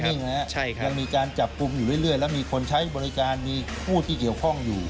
ยังมีการจับกลุ่มอยู่เรื่อยแล้วมีคนใช้บริการมีผู้ที่เกี่ยวข้องอยู่